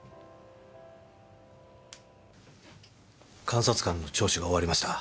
監察官の聴取が終わりました。